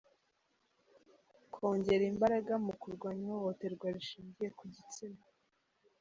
Kongera imbaraga mu kurwanya ihohoterwa rishingiye ku gitsina.